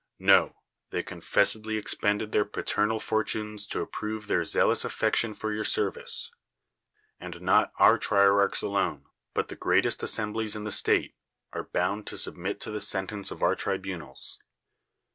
No: they confessedly expended their pater nal fortunes to approve their zealous affection for your service; and not our trierarchs alone, 1 :)2 iESCHINES but the greatest assemblies in the state, are bound to submit to the sentence of our tribunals.